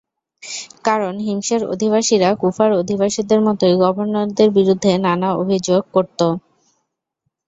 কারণ হিমসের অধিবাসীরা কুফার অধিবাসীদের মতই গভর্নরদের বিরুদ্ধে নানা অভিযোেগ করত।